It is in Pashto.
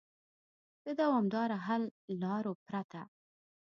د دوامدارو حل لارو پرته